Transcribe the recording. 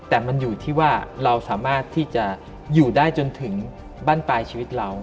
แต่มันอยู่ที่ว่าเราสามารถที่จะอยู่ได้จนถึงบ้านปลายชีวิตเรา